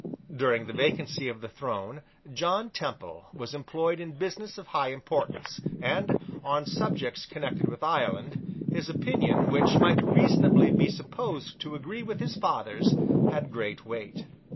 During the vacancy of the throne, John Temple was employed in business of high importance; and, on subjects connected with Ireland, his opinion, which might reasonably be supposed to agree with his father's, had great weight.